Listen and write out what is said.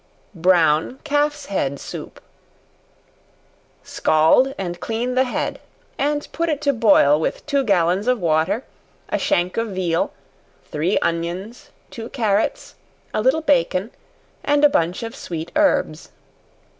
Brown Calf's Head Soup. Scald and clean the head, and put it to boil with two gallons of water, a shank of veal, three onions, two carrots, a little bacon, and a bunch of sweet herbs.